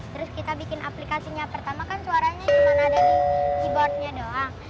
terus kita bikin aplikasinya pertama kan suaranya cuma ada di keyboardnya doang